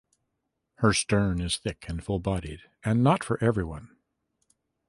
Her stern is thick and full bodied and not for everyone.